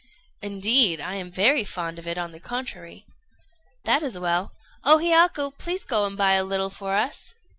"Indeed, I am very fond of it, on the contrary." "That is well. O Hiyaku, please go and buy a little for us."